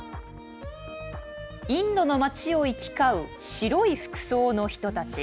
インドの町を行き交う白い服装の人たち。